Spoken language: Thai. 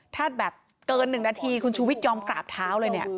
ถ้าแบบเกิน๑นาทีคุณชูวิทยอมกราบเท้าเลยเนี่ย